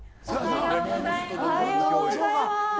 おはようございます。